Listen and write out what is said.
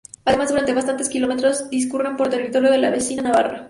Además, durante bastantes kilómetros discurre por territorio de la vecina Navarra.